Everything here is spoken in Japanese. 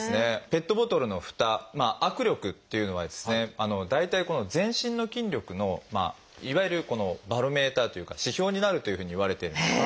ペットボトルのふた握力っていうのはですね大体全身の筋力のいわゆるバロメーターというか指標になるというふうにいわれてるんです。